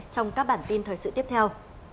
trong các bản tin thời sự tiếp theo